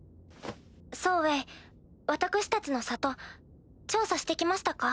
ソウエイ私たちの里調査して来ましたか？